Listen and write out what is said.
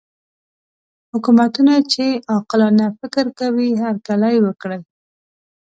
حکومتونه چې عاقلانه فکر کوي هرکلی وکړي.